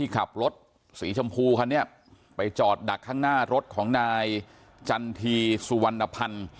ขับรถสีชมพูคันนี้ไปจอดดักข้างหน้ารถของนายจันทีสุวรรณพันธ์